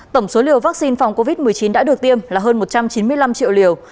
tổng số liều vaccine phòng covid một mươi chín đã được tiêm là hơn một trăm chín mươi năm triệu liều